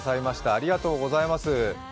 ありがとうございます。